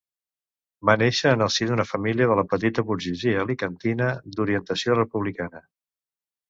Va néixer en el si d'una família de la petita burgesia alacantina, d'orientació republicana.